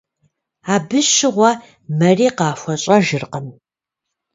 Абы щыгъуэ мэри къахуэщӀэжыркъым.